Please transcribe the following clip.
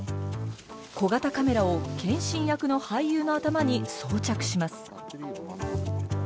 小型カメラを謙信役の俳優の頭に装着します。